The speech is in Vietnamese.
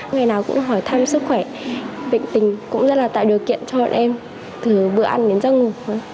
ngày nào cũng hỏi thăm sức khỏe bệnh tình cũng rất là tạo điều kiện cho bọn em từ bữa ăn đến giấc ngủ